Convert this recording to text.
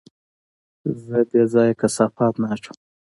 زه بېځايه کثافات نه اچوم.